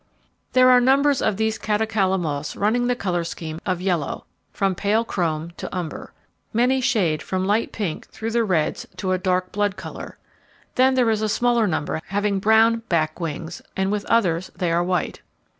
There are numbers of these Catocala moths running the colour scheme of yellow, from pale chrome to umber. Many shade from light pink through the reds to a dark blood colour. Then there is a smaller number having brown back wings and with others they are white.